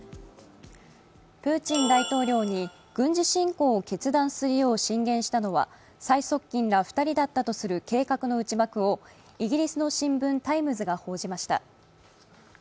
プーチン大統領に軍事侵攻を決断するよう進言したのは再側近ら２人だったとする計画の内幕をイギリスの新聞「タイムズ」が報じました。